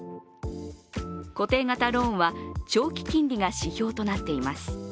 固定型ローンは長期金利が指標となっています。